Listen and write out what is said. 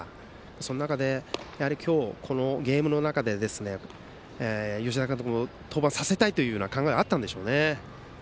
その中でやはり今日ゲームの中で吉田監督も登板させたいという考えはあったんでしょうね。